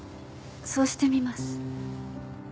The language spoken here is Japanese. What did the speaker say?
そうしてみます。